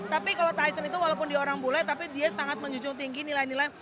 tapi kalau tyson itu walaupun dia orang bule tapi dia sangat menjunjung tinggi nilai nilai